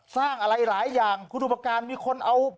สร้างอะไรหลายอย่างคุณอุปการณ์มีคนเอา